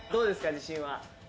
自信は。